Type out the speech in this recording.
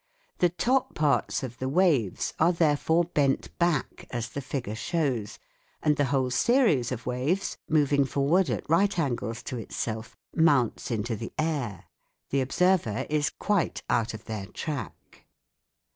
The top parts of the waves are therefore bent back, as the figure shows, and the whole series of waves, moving forward at right angles to itself, mounts into the air. The observer is quite out of their track.